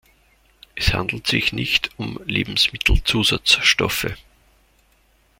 Es handelt sich nicht um Lebensmittelzusatzstoffe.